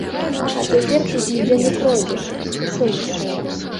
А цяпер тут нідзе не пройдзеш, усё дзічэе.